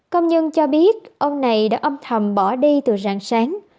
công nhân cho biết ông này đã âm thầm bỏ đi từ ràng sáng